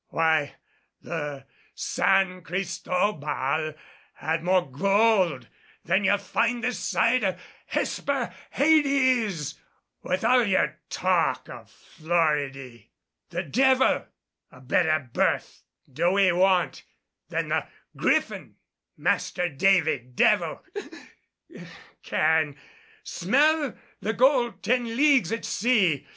Why, the San Cristobal had more gold than ye'll find this side o' Hesper hades, with all ye'r talk o' Floridy. The devil a better berth do we want than the Griffin. Master Davy Devil hic can smell the gold ten leagues at sea.